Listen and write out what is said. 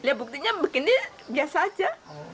ya buktinya begini biasa saja